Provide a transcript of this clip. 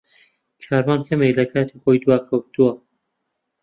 کاروان کەمێک لە کاتی خۆی دواکەوتووە.